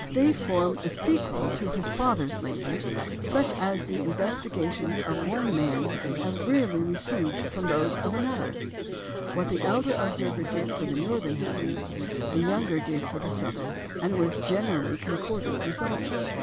They form a sequel to his father's labours such as the investigations of one man have rarely received from those of another. What the elder observer did for the northern heavens, the younger did for the southern, and with generally concordant results.